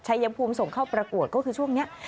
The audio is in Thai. ชายภูมิส่งเข้าประกวดก็คือช่วงนี้